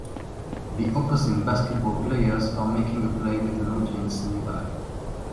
The opposing basketball players are making a play with an audience nearby